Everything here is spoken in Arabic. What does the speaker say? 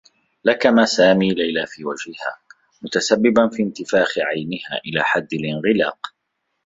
لكم سامي ليلى في وجهها، متسبّبا في انتفاخ عينها إلى حدّ الانغلاق.